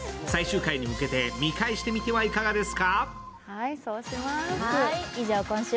最終回に向けて見返してみてはいかがですか？